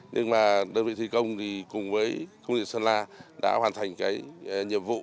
nhưng mà đơn vị thị công thì cùng với công ty sơn la đã hoàn thành cái nhiệm vụ